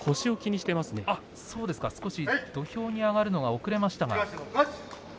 しかし土俵に上がるのが遅れました。